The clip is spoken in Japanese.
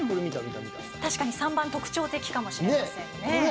確かに３番は特徴的かもしれません。